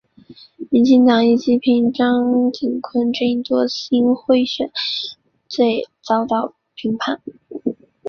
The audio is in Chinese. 民进党亦抨击张锦昆阵营多次因贿选罪遭判刑。